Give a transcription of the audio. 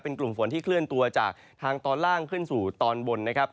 เป็นกลุ่มฝนที่เคลื่อนตัวจากทางตอนล่างขึ้นสู่ตอนบนนะครับ